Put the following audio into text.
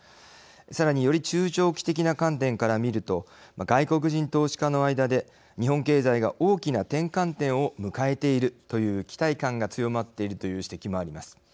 さらにより中長期的な観点から見ると外国人投資家の間で、日本経済が大きな転換点を迎えているという期待感が強まっているという指摘もあります。